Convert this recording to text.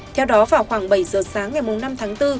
theo đó vào khoảng bảy giờ sáng ngày năm tháng bốn